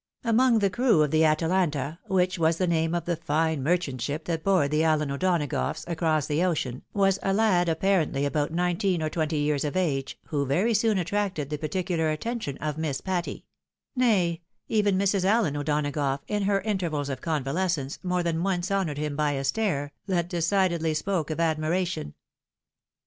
Among the crew of the Atalanta (which was the name of the fine merchant ship that bore the Allen O'Donagoughs across the ocean) was a lad apparently about nineteen or twenty years of age, who very soon attracted the particular attention of Miss Patty ; nay, even Mrs. Allen O'Donagough, in her intervals of convalescence, more than once honoured hiTn by a stare, that decidedly spoke of admiration.